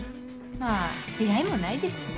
まあ出会いもないですしね。